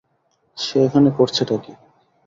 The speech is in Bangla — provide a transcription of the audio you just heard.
সে এখানে করছেটা কি?